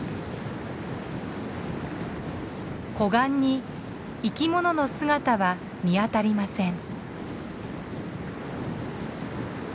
湖岸に生きものの姿は見当たりません。